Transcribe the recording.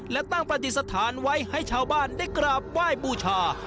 และตั้งประดิษฐานไว้ให้ชาวบ้านได้กราบไหว้บูชา